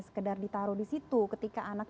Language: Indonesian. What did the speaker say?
sekedar ditaruh di situ ketika anak